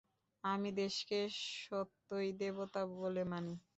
আমি দেশকে সত্যই দেবতা বলে মানি।